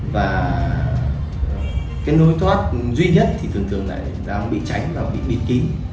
và cái nối thoát duy nhất thì thường thường là đang bị cháy và bị bịt kín